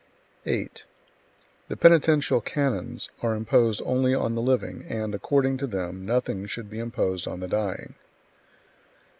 8. The penitential canons are imposed only on the living, and, according to them, nothing should be imposed on the dying.